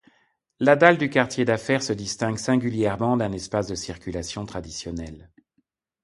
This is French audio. La dalle du quartier d'affaires se distingue singulièrement d'un espace de circulation traditionnel.